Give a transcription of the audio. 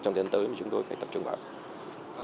trong thế hệ tới mà chúng tôi phải tập trung vào